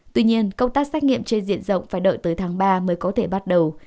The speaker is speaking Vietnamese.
tuy nhiên công tác xét nghiệm trên diện rộng phải đợi tới tháng ba mới có thể bắt đầu